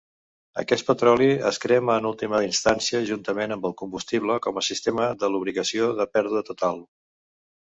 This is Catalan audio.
Aquest petroli es crema en última instància juntament amb el combustible com a sistema de lubricació de pèrdua total.